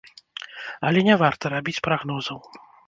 Але не варта рабіць прагнозаў.